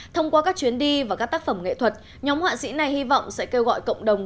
thông qua các chuyến đi và các tác phẩm nghệ thuật nhóm họa sĩ này hy vọng sẽ kêu gọi cộng đồng